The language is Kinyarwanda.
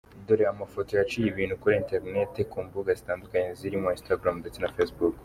Dore amafoto yaciye ibintu kuri interinete ku mbuga zitandukanye zirimo instagram ndetse na Facebook.